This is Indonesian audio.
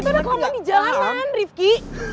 kita udah kalau gak di jalanan rifqi